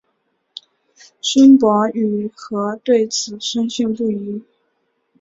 孙傅与何对此深信不疑。